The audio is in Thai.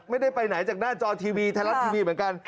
ไม่ได้ไปไหนจากหน้าจอทีวีไทยรัฐทีวีเหมือนกัน